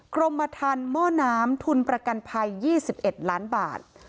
กรมทันหม้อน้ำทุนประกันภัย๒๑ล้านบาท